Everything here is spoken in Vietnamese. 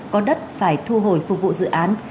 có đất phải thu hồi phục vụ dự án